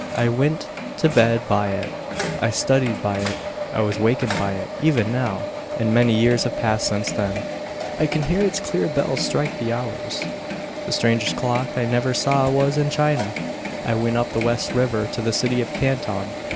I went to bed by it. I studied by it. I was wakened by it. Even now, and many years have passed since then, I can hear its clear bell strike the hours. The strangest clock I ever saw was in China. I went up the West River to the city of Canton.